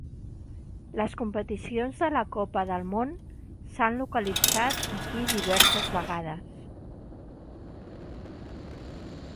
Les competicions de la Copa del Món s'han localitzat aquí diverses vegades.